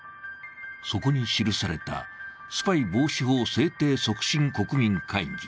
そこに記されたスパイ防止法制定促進国民会議。